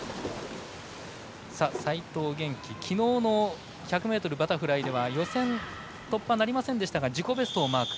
齋藤元希、きのうの１００ｍバタフライでは予選突破なりませんでしたが自己ベストマーク。